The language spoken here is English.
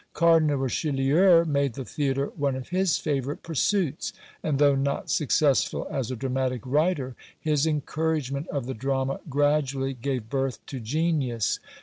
Cardinal Richelieu made the theatre one of his favourite pursuits, and though not successful as a dramatic writer, his encouragement of the drama gradually gave birth to genius.